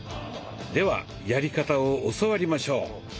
ではやり方を教わりましょう。